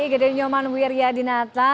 igede nyoman wiryadinata